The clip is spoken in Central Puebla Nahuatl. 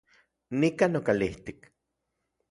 Nika nokalijtik